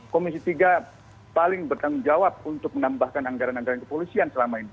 komisi tiga paling bertanggung jawab untuk menambahkan anggaran anggaran kepolisian selama ini